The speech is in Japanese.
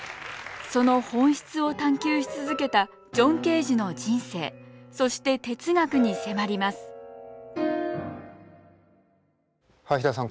その本質を探究し続けたジョン・ケージの人生そして哲学に迫ります林田さん